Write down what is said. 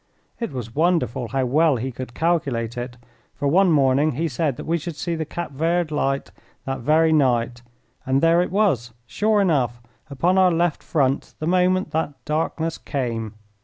It was wonderful how well he could calculate it, for one morning he said that we should see the Cape Verd light that very night, and there it was, sure enough, upon our left front the moment that darkness came.